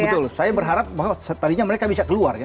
betul saya berharap bahwa tadinya mereka bisa keluar ya